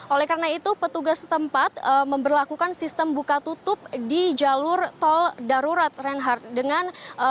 oleh karena itu petugas tempat memperlakukan sistem buka tutup di jalur tol darurat reinhardt